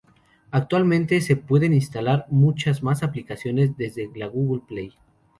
Actualmente se pueden instalar muchas más aplicaciones desde la Google Play.